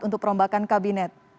untuk perombakan kabinet